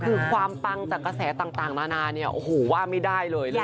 คือความปังจากกระแสต่างนานาเนี่ยโอ้โหว่าไม่ได้เลย